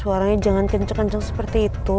suaranya jangan kenceng kenceng seperti itu